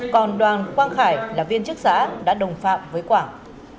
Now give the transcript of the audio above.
còn đoàn quang khải là viên chức xã đã đồng phạm với quảng